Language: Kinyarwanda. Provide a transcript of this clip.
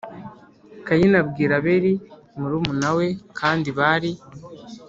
Kayini abibwira Abeli murumuna we Kandi bari